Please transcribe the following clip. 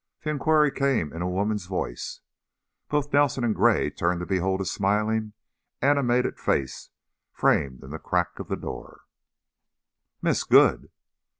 The inquiry came in a woman's voice. Both Nelson and Gray turned to behold a smiling, animated face framed in a crack of the door. "Miss Good!"